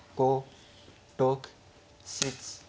６７。